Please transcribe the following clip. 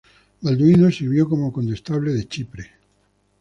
Balduino sirvió como condestable de Chipre.